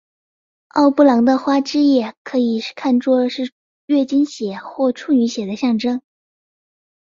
奥布朗的花汁液可以被看做是月经血或处女血的象征。